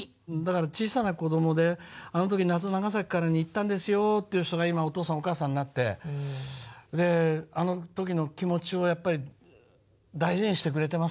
小さな子どもであの時「夏長崎から」に行ったんですよっていう人が今お父さんお母さんになってあの時の気持ちをやっぱり大事にしてくれてますからね。